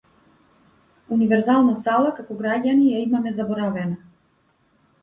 Универзална сала како граѓани ја имаме заборавено.